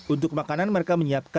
untuk makanan mereka menyiapkan